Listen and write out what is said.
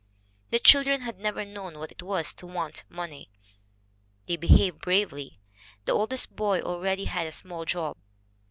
The children had never known what it was to want money. They behaved bravely. The oldest boy already had a small job.